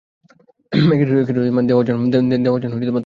দেওয়ার জন্য তৈরি।